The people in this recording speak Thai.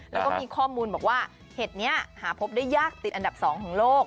แล้วก็มีข้อมูลบอกว่าเห็ดนี้หาพบได้ยากติดอันดับ๒ของโลก